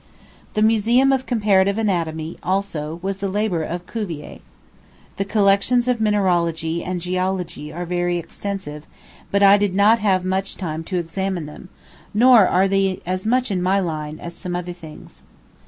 The Museum of Comparative Anatomy, also, was the labor of Cuvier. The collections of mineralogy and geology are very extensive; but I did not have much time to examine them, nor are they as much in my line as some other things.